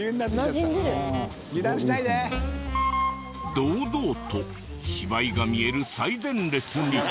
堂々と芝居が見える最前列に。